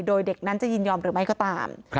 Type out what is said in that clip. โดยเด็กนั้นจะยินยอมหรือไม่ก็ตาม